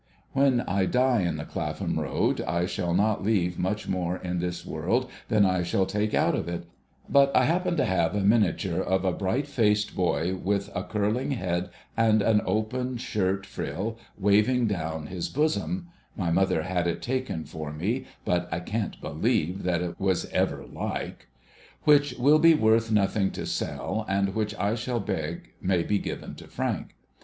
When I die in the Clapham Road, I shall not leave much more in this world than I shall take out of it ; but, I happen to have a miniature of a bright faced boy, with a curling head, and an open shirt frill waving down his bosom (my mother had it taken for me, but I can't believe that it was ever like), which will be worth nothing to sell, and which I shall beg may be given to Frank.